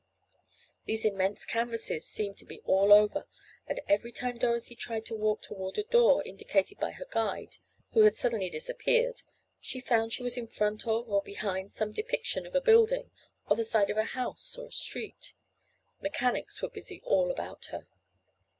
These immense canvases seemed to be all over, and every time Dorothy tried to walk toward a door indicated by her guide, who had suddenly disappeared, she found she was in front of or behind some depiction of a building, or the side of a house or a street. Mechanics were busy all about her.